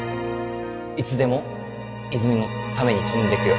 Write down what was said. いつでも泉のために飛んでくよ